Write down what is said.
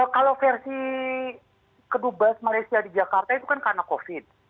kalau versi kedubas malaysia di jakarta itu kan karena covid